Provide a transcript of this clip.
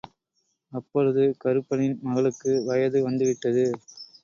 அப்பொழுது கருப்பனின் மகளுக்கு வயது வந்து விட்டது.